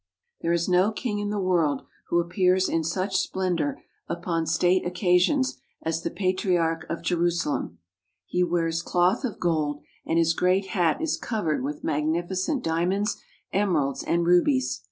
There is no king in the world who appears in such splendour upon state occasions as the Patriarch of Je rusalem. He wears cloth of gold and his great hat is covered with magnificent diamonds, emeralds, and rubies.